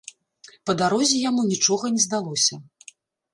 Па дарозе яму нічога не здалося.